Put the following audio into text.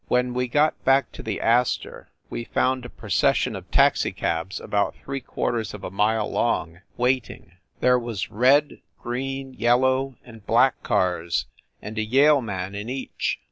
When we got back to the Astor we found a pro cession of taxicabs about three quarters of a mile long, waiting. There was red, green, yellow and black cars, and a Yale man in each.